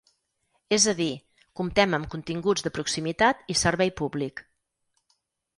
És a dir, comptem amb continguts de proximitat i servei públic.